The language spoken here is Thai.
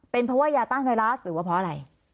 เป็นเพราะว่ายาต้านไวรัสหรือว่าเพราะอะไร